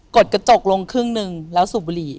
ดกระจกลงครึ่งหนึ่งแล้วสูบบุหรี่